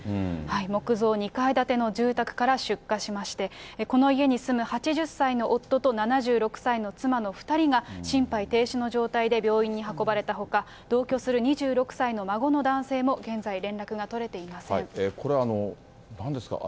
木造２階建ての住宅から出火しまして、この家に住む、８０歳の夫と７６歳の妻の２人が心肺停止の状態で病院に運ばれたほか、同居する２６歳の孫の男性も現在、これ、なんですか？